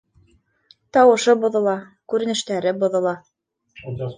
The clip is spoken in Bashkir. Тауышы боҙола. Күренештәре боҙола